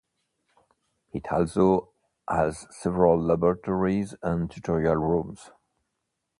It also has several laboratories and tutorial rooms.